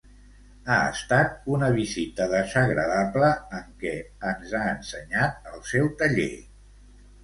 Ha estat una visita desagradable en què ens ha ensenyat el seu taller.